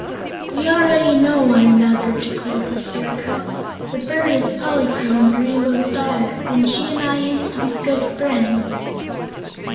"We already know one another," declared the Scarecrow. "The bird is Polychrome, the Rainbow's Daughter, and she and I used to be good friends."